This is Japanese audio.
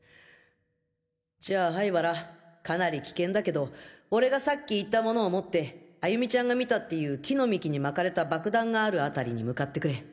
じゃあ灰原かなり危険だけど俺がさっき言った物を持って歩美ちゃんが見たっていう木の幹に巻かれた爆弾がある辺りに向かってくれ。